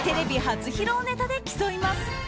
初披露ネタで競います。